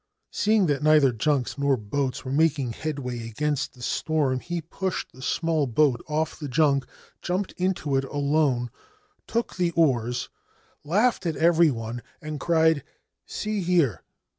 Seeing that neither junks nor boats were making headway against the storm, he pushed the small boat off the junk, jumped into it alone, took the oars, laughed at every one, and cried :' See here